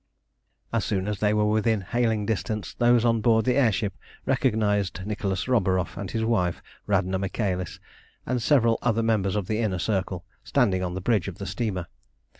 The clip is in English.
As soon as they were within hailing distance, those on board the air ship recognised Nicholas Roburoff and his wife, Radna Michaelis, and several other members of the Inner Circle, standing on the bridge of the steamer.